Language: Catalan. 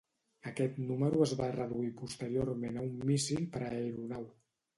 Aquest número es va reduir posteriorment a un míssil per aeronau.